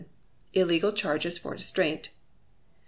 Illegal Charges for Distraint.